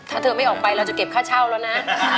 ถ้าเธอไม่ออกไปเราจะเก็บค่าเช่าแล้วนะ